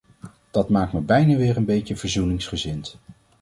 Dat maakt me bijna weer een beetje verzoeningsgezind.